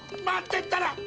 待ってったら！